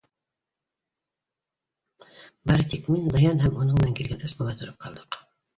Бары тик мин, Даян һәм уның менән килгән өс малай тороп ҡалдыҡ.